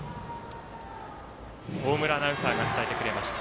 大村アナウンサーが伝えてくれました。